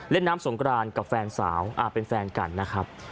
เล่นน้ำสงกรานกับแฟนสาวเป็นแฟนกันนะครับ